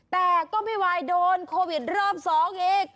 แต่ก็ไม่ไหวโดนโควิดรอบ๒อีก